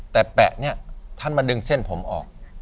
แต่แปะเนี่ยท่านมาดึงเส้นผมออก